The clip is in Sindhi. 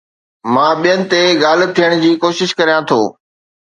مان ٻين تي غالب ٿيڻ جي ڪوشش ڪريان ٿو